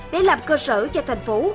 để làm cơ sở cho thành phố